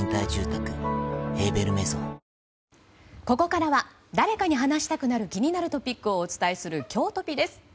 ここからは誰かに話したくなる気になるトピックをお伝えするきょうトピです。